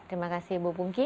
terima kasih ibu bungki